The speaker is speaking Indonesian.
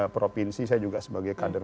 provinsi saya juga sebagai kader